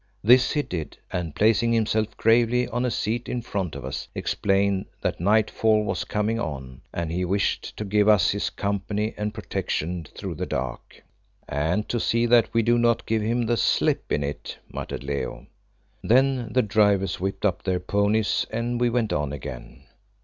This he did, and, placing himself gravely on a seat in front of us, explained that nightfall was coming on, and he wished to give us his company and protection through the dark. "And to see that we do not give him the slip in it," muttered Leo. Then the drivers whipped up their ponies, and we went on again.